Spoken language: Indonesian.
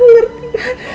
kamu ngerti kan